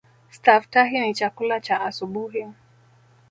Staftahi ni chakula cha asubuhi.